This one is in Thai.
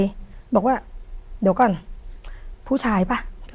เราก็ไว้ด้านนี้